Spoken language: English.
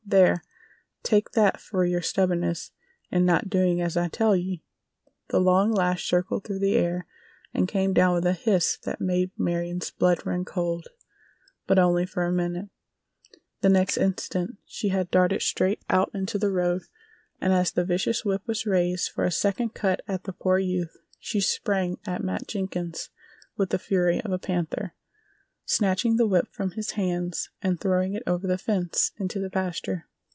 "There! Take that fer yer stubbornness in not doin' as I tell ye!" The long lash circled through the air and came down with a hiss that made Marion's blood run cold—but only for a minute. The next instant she had darted straight out into the road, and as the vicious whip was raised for a second cut at the poor youth she sprang at Matt Jenkins with the fury of a panther—snatching the whip from his hands and throwing it over the fence into the pasture.